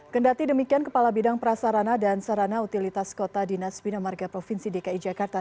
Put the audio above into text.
kendati demikian kepala bidang prasarana dan sarana utilitas kota dinas bina marga provinsi dki jakarta